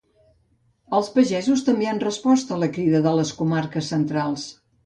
Els pagesos també han respost a la crida a les comarques centrals.